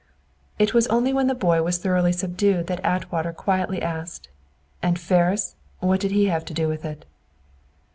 It was only when the boy was thoroughly subdued that Atwater quietly asked, "And Ferris? What had he to do with it?"